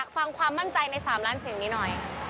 ฟังความมั่นใจใน๓ล้านเสียงนี้หน่อย